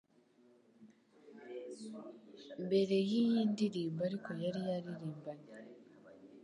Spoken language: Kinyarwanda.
Mbere y'iyi ndirimbo ariko yari yaririmbanye